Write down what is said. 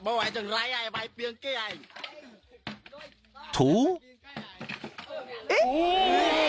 ［と］